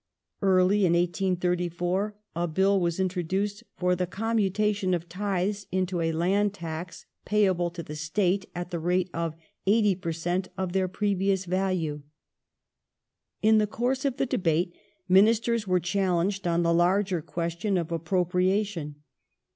Early in 1834 a Bill was introduced for the commutation of tithes into a land tax payable to the State at the rate of 80 per cent, of their previous value. In the course of the debate Ministers w^ere challenged jon the larger question of appro priation.